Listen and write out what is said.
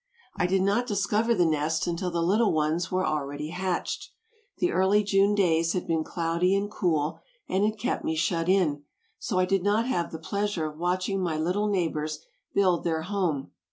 I did not discover the nest until the little ones were already hatched. The early June days had been cloudy and cool and had kept me shut in, so I did not have the pleasure of watching my little neighbors build their home.